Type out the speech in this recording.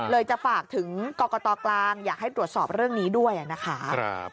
จะฝากถึงกรกตกลางอยากให้ตรวจสอบเรื่องนี้ด้วยนะคะ